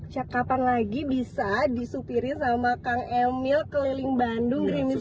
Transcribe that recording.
siap kapan lagi bisa disupirin sama kang emil keliling bandung greenwich dan